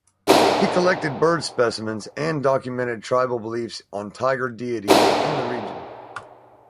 He collected bird specimens and documented tribal beliefs on tiger deities in the region.